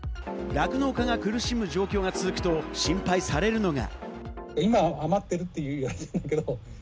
酪農家が苦しむ状況が続くと心配されるのが。